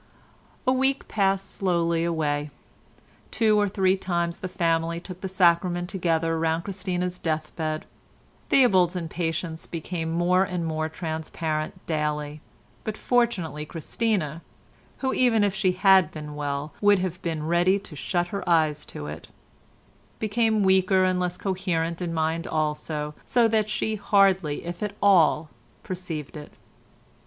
A week passed slowly away. Two or three times the family took the sacrament together round Christina's death bed. Theobald's impatience became more and more transparent daily, but fortunately Christina (who even if she had been well would have been ready to shut her eyes to it) became weaker and less coherent in mind also, so that she hardly, if at all, perceived it.